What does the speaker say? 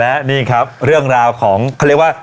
และนี่ครับเรื่องราวของเขาเรียกว่า